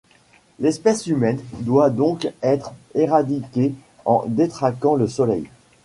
L’espèce humaine doit donc être éradiquée en détraquant le soleil.